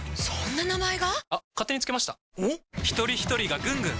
ひとりひとりがぐんぐん！